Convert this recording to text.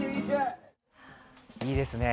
いいですね